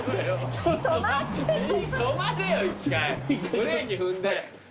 ブレーキ踏んで。